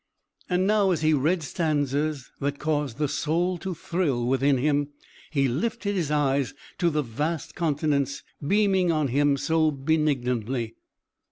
And now as he read stanzas that caused the soul to thrill within him, he lifted his eyes to the vast countenance beaming on him so benignantly.